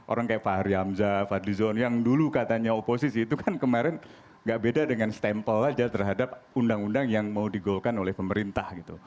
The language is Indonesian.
orang kayak fahri hamzah fadlizon yang dulu katanya oposisi itu kan kemarin nggak beda dengan stempel aja terhadap undang undang yang mau digolkan oleh pemerintah gitu